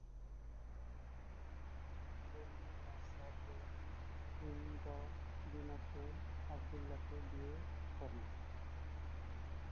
তিনি Banu Asad এর Hind বিনতে আবদুল্লাহকে বিয়ে করেন।